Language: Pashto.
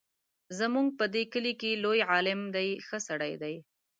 زموږ په دې کلي کې لوی عالم دی ښه سړی دی.